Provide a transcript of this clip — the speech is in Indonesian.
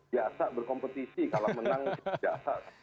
biasa berkompetisi kalau menang